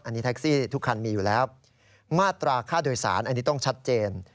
อันนี้แท็กซี่ทุกคันมีอยู่แล้วมาตราค่าโดยสารอันนี้ต้องชัดเจน